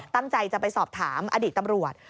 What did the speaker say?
ตั้งใจจะไปสอบถามอดีตตำรวจ